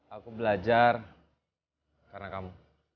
aku belajar karena kamu